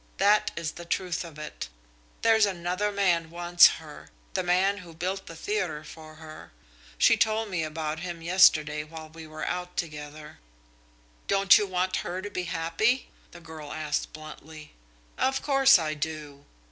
That is the truth of it. There's another man wants her, the man who built the theatre for her. She told me about him yesterday while we were out together." "Don't you want her to be happy?" the girl asked bluntly. "Of course I do."